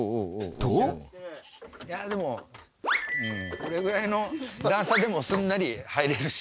これぐらいの段差でもすんなり入れるし。